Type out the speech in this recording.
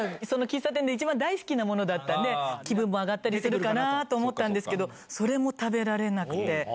その喫茶店で一番大好きなものだったんで、気分も上がったりするかなと思ったんですけど、それも食べられなくて。